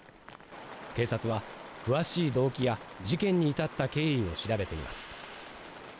警察は詳しい動機や事件に至った経緯を調べています。